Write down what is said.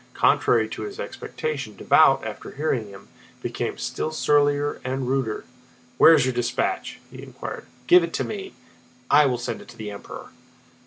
Contrary to his expectation, Davout, after hearing him, became still surlier and ruder. "Where is your dispatch?" he inquired. "Give it to me. I will send it to the Emperor."